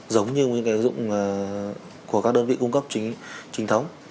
giống như những ứng dụng của các đơn vị cung cấp trình thống